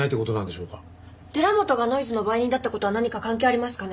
寺本がノイズの売人だった事は何か関係ありますかね？